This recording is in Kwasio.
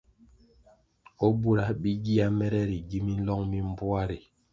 O bura bi gia mere ri gi minlong mi mbpoa ri?